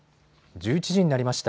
１１時になりました。